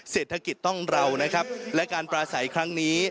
เศรษฐกิจต้องเรานะครับและการปราศัยครั้งนี้